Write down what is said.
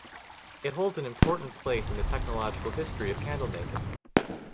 It holds an important place in the technological history of candle making.